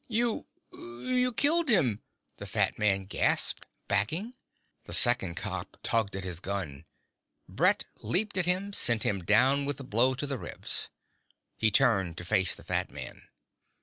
"You ... you killed him," the fat man gasped, backing. The second cop tugged at his gun. Brett leaped at him, sent him down with a blow to the ribs. He turned to face the fat man.